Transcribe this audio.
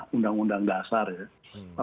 undang undang dasar ya